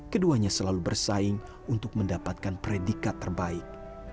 keduanya selalu bersaing untuk mendapatkan predikat terbaik